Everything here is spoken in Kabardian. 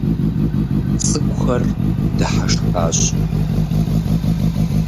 ЦӀыкӀухэр дыхьэшхащ.